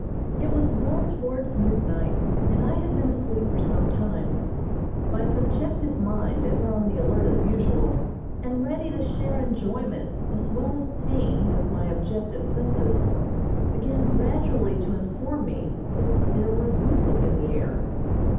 It was well towards midnight, and I had been asleep for some time. My subjective mind, ever on the alert as usual, and ready to share enjoyment as well as pain with my objective senses, began gradually to inform me that there was music in the air.